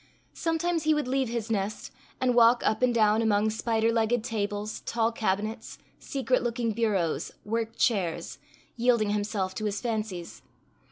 Sometimes he would leave his nest, and walk up and down among spider legged tables, tall cabinets, secret looking bureaus, worked chairs yielding himself to his fancies.